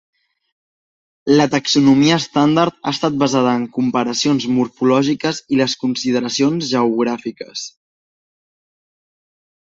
La taxonomia estàndard ha estat basada en comparacions morfològiques i les consideracions geogràfiques.